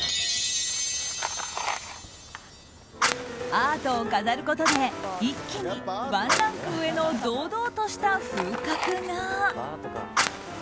アートを飾ることで一気にワンランク上の堂々とした風格が。